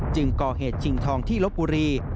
ก่อเหตุชิงทองที่ลบบุรี